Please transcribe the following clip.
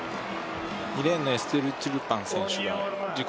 ２レーンのエステル・トゥルパン選手が自己